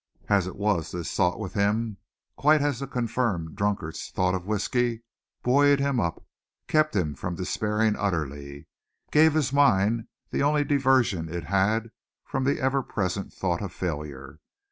As it was, this thought with him quite as the confirmed drunkard's thought of whiskey buoyed him up, kept him from despairing utterly, gave his mind the only diversion it had from the ever present thought of failure.